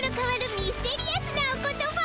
ミステリアスなお言葉。